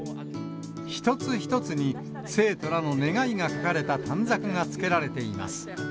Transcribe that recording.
一つ一つに生徒らの願いが書かれた短冊がつけられています。